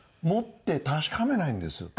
持って確かめないんです。